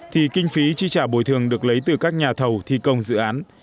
thì kinh phí chi trả bồi thường được lấy từ các nhà thầu thi công dự án